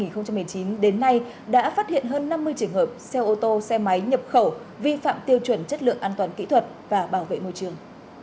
cục đăng kiểm việt nam cho biết từ đầu năm hai nghìn một mươi chín đến nay đã phát hiện hơn năm mươi trường hợp xe ô tô xe máy nhập khẩu vi phạm tiêu chuẩn chất lượng an toàn kỹ thuật và bảo vệ môi trường